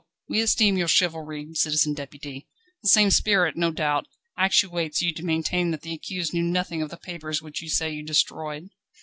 We esteem your chivalry, Citizen Deputy. The same spirit, no doubt, actuates you to maintain that the accused knew nothing of the papers which you say you destroyed?"